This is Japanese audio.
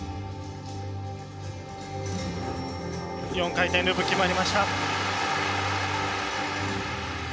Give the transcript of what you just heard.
４回転ループ決まりました。